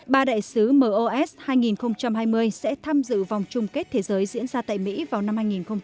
ba đại sứ mos hai nghìn hai mươi sẽ tham dự vòng chung kết thế giới diễn ra tại mỹ vào năm hai nghìn hai mươi một